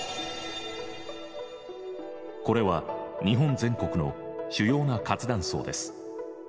これは日本全国の主要な活断層です。